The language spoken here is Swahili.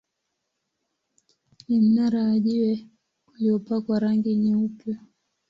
Ni mnara wa jiwe uliopakwa rangi nyeupe.